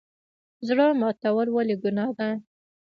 زړه ماتول ولې ګناه ده؟